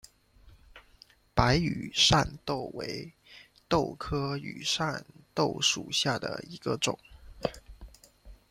白羽扇豆为豆科羽扇豆属下的一个种。